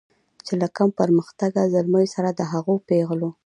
چې له کم پرمختګه زلمیو سره د هغو پیغلو